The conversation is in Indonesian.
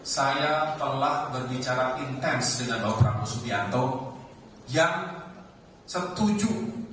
saya telah berbicara intens dengan bapak ibu soebi anto yang setuju